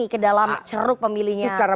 ke dalam ceruk pemilihnya itu cara